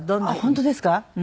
本当ですか？